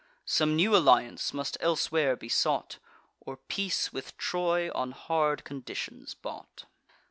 Some new alliance must elsewhere be sought, Or peace with Troy on hard conditions bought.